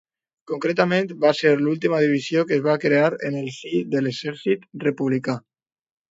Concretament, va ser l'última divisió que es va crear en el si de l'Exèrcit republicà.